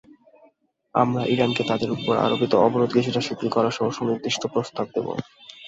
আমরা ইরানকে তাদের ওপর আরোপিত অবরোধ কিছুটা শিথিল করাসহ সুনির্দিষ্ট প্রস্তাব দেব।